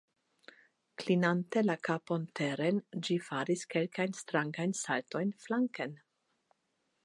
Klinante la kapon teren, ĝi faris kelkajn strangajn saltojn flanken.